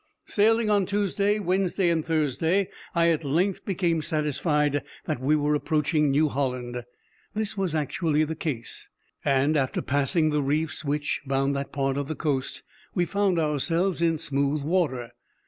Sailing on Tuesday, Wednesday, and Thursday, I at length became satisfied that we were approaching New Holland. This was actually the case; and after passing the reefs which bound that part of the coast, we found ourselves in smooth water.